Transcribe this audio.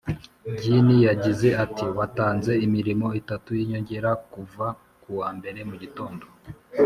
djinn yagize ati: 'watanze imirimo itatu y'inyongera kuva ku wa mbere mu gitondo,